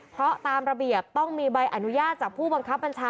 เพราะตามระเบียบต้องมีใบอนุญาตจากผู้บังคับบัญชา